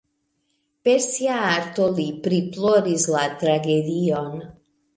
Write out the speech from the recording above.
Per sia arto li priploris la tragedion.